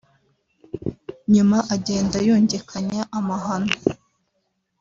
nyuma agenda yungikanya amahano